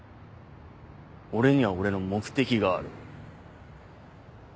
俺には俺の目的がある。